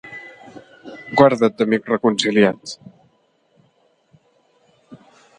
Guarda't d'amic reconciliat.